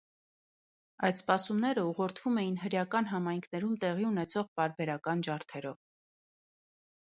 Այդ սպասումները ուղորդվում էին հրեական համայնքներում տեղի ունեցող պարբերական ջարդերով։